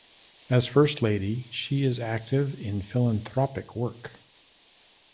As First Lady she is active in philanthropic work.